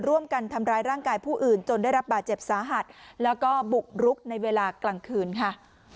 ร่วมกันทำร้ายร่างกายผู้อื่นจนได้รับบาดเจ็บสาหัสแล้วก็บุกรุกในเวลากลางคืนค่ะ